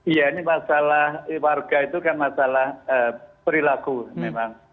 iya ini masalah warga itu kan masalah perilaku memang